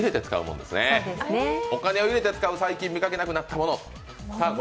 お金を入れて使う、最近見かけなくなったもの。